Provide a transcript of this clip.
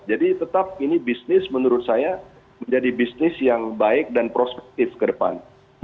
jadi tetap ini bisnis menurut saya menjadi bisnis yang baik dan prospektif ke depan